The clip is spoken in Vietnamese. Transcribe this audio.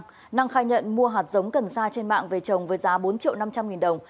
trần đức anh năng khai nhận mua hạt giống cần sa trên mạng về trồng với giá bốn triệu năm trăm linh nghìn đồng